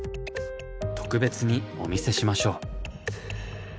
特別にお見せしましょう。